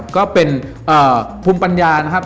ก็เป็นภูมิปัญญานะครับ